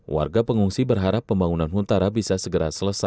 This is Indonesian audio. warga pengungsi berharap pembangunan huntara bisa segera selesai